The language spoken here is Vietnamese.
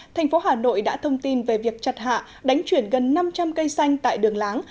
thành phố hà nội đã thông tin về việc chặt hạ đánh chuyển gần năm trăm linh cây xanh tại đường láng